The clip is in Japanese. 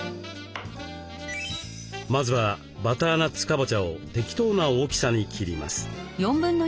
まずはバターナッツカボチャを適当な大きさに切ります。